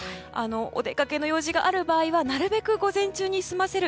お出かけの用事がある場合はなるべく午前中に済ませる。